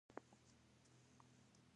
پابلو پیکاسو وایي هنر روح پاکوي.